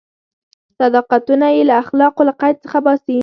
صداقتونه یې له اخلاقو له قید څخه باسي.